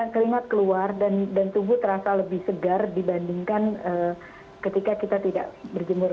keringat keluar dan tubuh terasa lebih segar dibandingkan ketika kita tidak berjemur